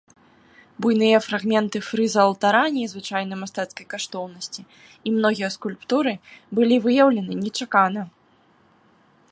Буйныя фрагменты фрыза алтара незвычайнай мастацкай каштоўнасці і многія скульптуры былі выяўлены нечакана.